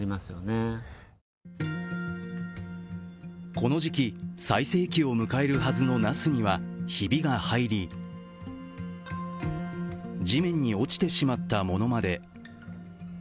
この時期、最盛期を迎えるはずのなすにはひびが入り地面に落ちてしまったものまで。